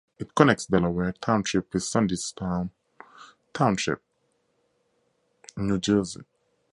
It connects Delaware Township with Sandyston Township, New Jersey.